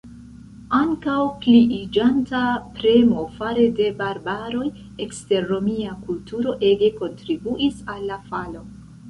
Ankaŭ pliiĝanta premo fare de "barbaroj" ekster romia kulturo ege kontribuis al la falo.